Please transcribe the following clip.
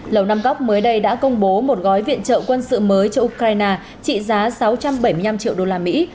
lầu năm góc mới đây đã công bố một gói viện trợ quân sự mới cho ukraine trị giá sáu trăm bảy mươi năm triệu đô la mỹ